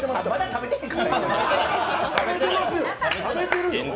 食べてるよ。